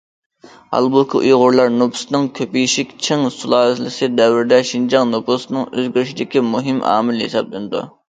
ھالبۇكى، ئۇيغۇرلار نوپۇسىنىڭ كۆپىيىشى چىڭ سۇلالىسى دەۋرىدە شىنجاڭ نوپۇسىنىڭ ئۆزگىرىشىدىكى مۇھىم ئامىل ھېسابلىنىدۇ.